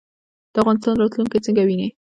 د افغانستان راتلونکی څنګه وینئ؟